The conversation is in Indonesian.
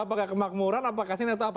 apakah kemakmuran apa kasihan atau apa